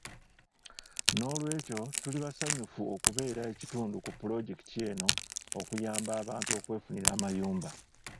N'olwekyo tuli basanyufu okubeera ekitundu ku pulojekiti eno okuyamba abantu okwefunira amayumba.